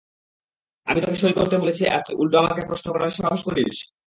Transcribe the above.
আমি তোকে সই করতে বলেছি আর তুই উল্টো আমাকে প্রশ্ন করার সাহস করিস?